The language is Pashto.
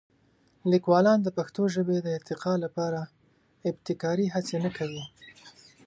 لیکوالان د پښتو ژبې د ارتقا لپاره ابتکاري هڅې نه کوي.